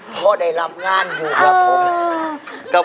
พอได้รับงานอยู่กับผม